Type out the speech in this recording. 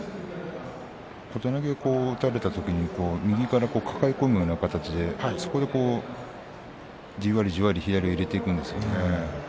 小手投げを打たれたときに右から抱え込むような形でそこで、じわりじわり左を入れていくんですよね。